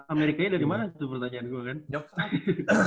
amerikanya dari mana tuh pertanyaan gue kan